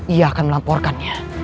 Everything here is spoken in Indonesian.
ia akan melamporkannya